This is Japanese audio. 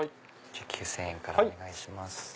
９０００円からお願いします。